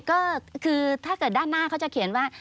ก็คือถ้าเกิดด้านหน้าเขาจะเขียนว่า